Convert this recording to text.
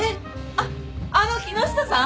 あっあの木下さん？